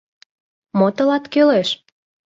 Мо тылат кӱлеш?